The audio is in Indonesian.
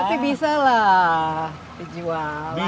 tapi bisa lah dijual